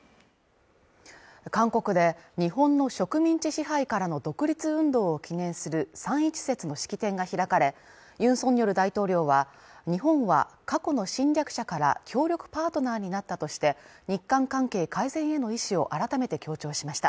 韓国で日本の植民地支配からの独立運動を記念する三一節の式典が開かれ、ユン・ソンニョル大統領は日本は過去の侵略者から協力パートナーになったとして、日韓関係改善への意志を改めて強調しました。